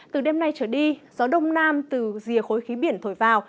từ đêm nay trở đi gió đông nam từ rìa khối khí biển thổi vào